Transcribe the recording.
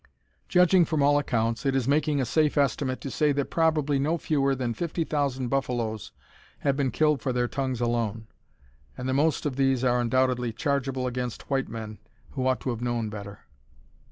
] Judging from all accounts, it is making a safe estimate to say that probably no fewer than fifty thousand buffaloes have been killed for their tongues alone, and the most of these are undoubtedly chargeable against white men, who ought to have known better.